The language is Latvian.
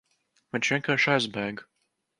Viņš vienkārši aizbēga.